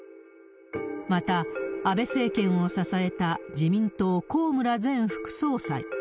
また、安倍政権を支えた自民党、高村前副総裁。